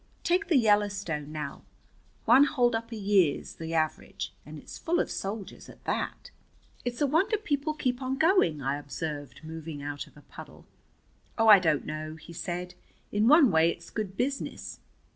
Take the Yellowstone, now, one holdup a year's the average, and it's full of soldiers at that." "It's a wonder people keep on going," I observed moving out of a puddle. "Oh, I don't know," he said. "In one way it's good business.